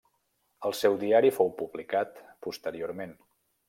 El seu diari fou publicat posteriorment.